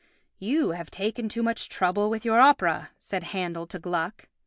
"You have taken too much trouble with your opera," said Handel to Gluck.